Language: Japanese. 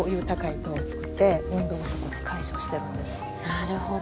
なるほど。